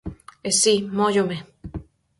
E si, móllome.